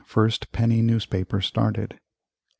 First penny newspaper started 1835.